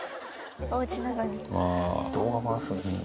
動画回すんですね。